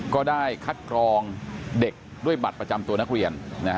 ก็ได้คัดกรองเด็กด้วยบัตรประจำตัวนักเรียน